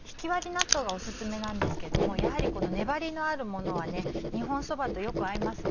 納豆がオススメなんですけどもやはりこの粘りのあるものは日本そばとよく合いますね。